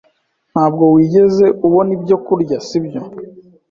Ntabwo wigeze ubona ibyo kurya, sibyo?